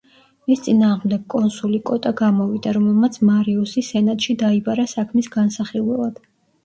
მის წინააღმდეგ კონსული კოტა გამოვიდა, რომელმაც მარიუსი სენატში დაიბარა საქმის განსახილველად.